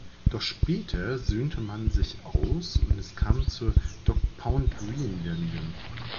Doch später söhnte man sich aus und es kam zur Dogg Pound-Reunion.